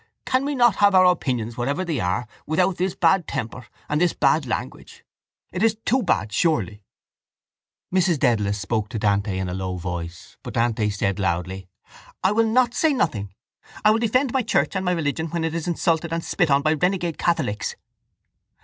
Can we not have our opinions whatever they are without this bad temper and this bad language? It is too bad surely. Mrs Dedalus spoke to Dante in a low voice but Dante said loudly: —I will not say nothing. I will defend my church and my religion when it is insulted and spit on by renegade catholics.